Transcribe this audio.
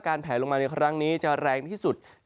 แผลลงมาในครั้งนี้จะแรงที่สุด